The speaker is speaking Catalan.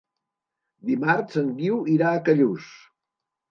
Dimarts en Guiu irà a Callús.